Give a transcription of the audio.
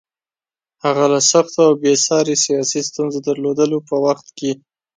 هغه له سختو او بې ساري سیاسي ستونزو درلودلو په وخت کې.